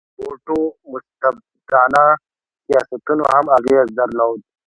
همدارنګه د موبوټو مستبدانه سیاستونو هم اغېز درلود.